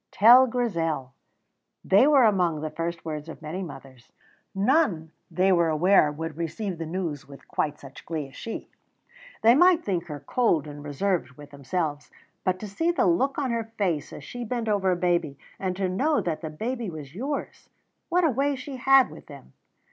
"Tell Grizel"! They were among the first words of many mothers. None, they were aware, would receive the news with quite such glee as she. They might think her cold and reserved with themselves, but to see the look on her face as she bent over a baby, and to know that the baby was yours! What a way she had with them!